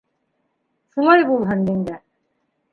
— Шулай булһын, еңгә.